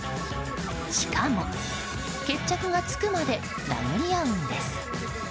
しかも、決着がつくまで殴り合うんです。